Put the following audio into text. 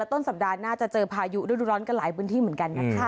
ต้นสัปดาห์หน้าจะเจอพายุฤดูร้อนกันหลายพื้นที่เหมือนกันนะคะ